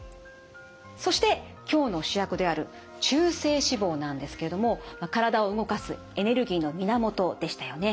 そして今日の主役である中性脂肪なんですけれども体を動かすエネルギーの源でしたよね。